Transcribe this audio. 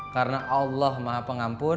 karena allah maha pengampun